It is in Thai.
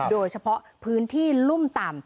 โดยเฉพาะพื้นที่รุ่มต่ำ